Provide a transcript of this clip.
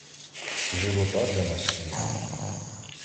Живота для нас свого.